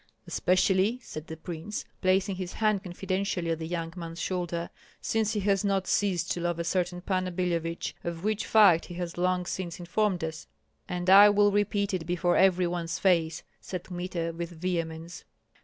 "Especially," said the prince, placing his hand confidentially on the young man's shoulder, "since he has not ceased to love a certain Panna Billevich, of which fact he has long since informed us." "And I will repeat it before every one's face," said Kmita, with vehemence.